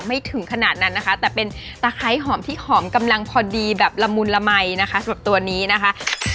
ถึงขนาดนั้นนะคะแต่เป็นตะไคร้หอมที่หอมกำลังพอดีแบบละมุนละมัยนะคะสำหรับตัวนี้นะคะ